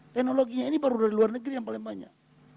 teknologinya ini baru dari luar negeri yang paling banyak